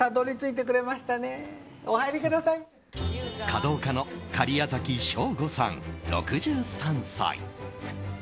華道家の假屋崎省吾さん、６３歳。